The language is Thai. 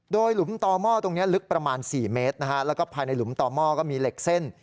โดยหลุมต่อหม้อตรงนี้ลึกประมาณ๔เมตรนะฮะแล้วก็ภายในหลุมต่อหม้อก็มีเหล็กเส้น